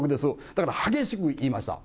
だから、激しく言いました。